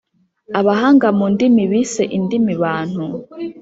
abahanga mu ndimi bise indimi Bantu.